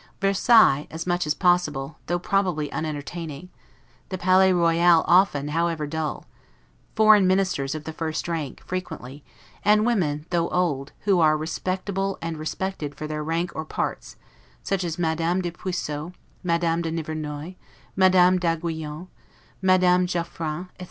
Versailles, as much as possible, though probably unentertaining: the Palais Royal often, however dull: foreign ministers of the first rank, frequently, and women, though old, who are respectable and respected for their rank or parts; such as Madame de Pusieux, Madame de Nivernois, Madame d'Aiguillon, Madame Geoffrain, etc.